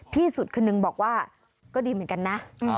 ที่สุดคนนึงบอกว่าก็ดีเหมือนกันนะ